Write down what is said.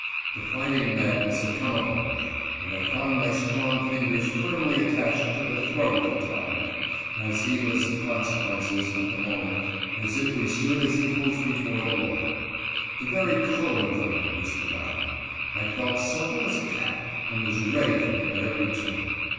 The fighting madness had come upon me, and I found my strong fingers firmly attached to the throat of the tyrant, as heedless of consequences, at the moment, as if we stood as equals before the law. The very fr.lor of the man wag_ forgotten. I felt supple as a cat, and was ready for him at every turn.